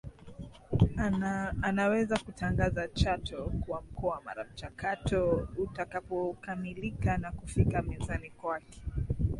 anaweza kutangaza Chato kuwa mkoa mara mchakato utakapokamilika na kufika mezani kwake